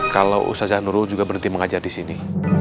kalau ustadz nurul juga berhenti mengajar disini